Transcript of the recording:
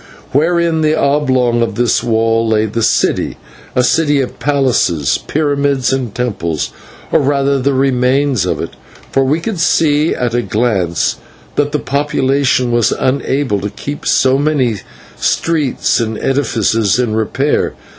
Within the oblong of this wall lay the city; a city of palaces, pyramids, and temples, or rather the remains of it, for we could see at a glance that the population was unable to keep so many streets and edifices in repair.